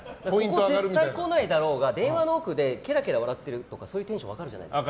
絶対に来ないだろうとか電話の奥でけらけら笑ってるとかそういうテンション分かるじゃないですか。